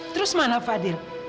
terus mana fadil